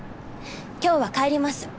今日は帰ります。